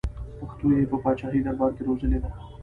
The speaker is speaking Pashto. پښتو یې په پاچاهي دربار کې روزلې ده.